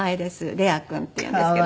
レア君っていうんですけど。